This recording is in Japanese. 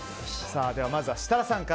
まずは設楽さんから。